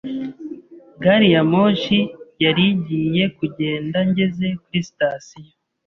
Gari ya moshi yari igiye kugenda ngeze kuri sitasiyo.